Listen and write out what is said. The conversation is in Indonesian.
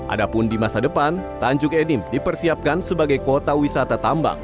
adapun di masa depan tanjung edim dipersiapkan sebagai kota wisata tambang